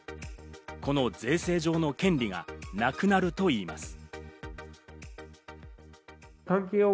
この税制上の権利がなくなるといいます。